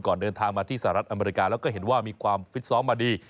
เดินทางมาที่สหรัฐอเมริกาแล้วก็เห็นว่ามีความฟิตซ้อมมาดี